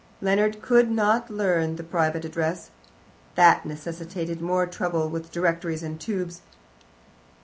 Leonard could not learn the private address. That necessitated more trouble with directories and tubes.